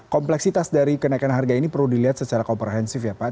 kompleksitas dari kenaikan harga ini perlu dilihat secara komprehensif ya pak